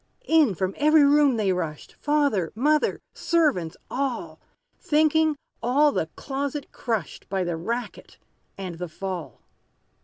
In, from every room they rushed, Father mother servants all, Thinking all the closet crushed, By the racket and the fall.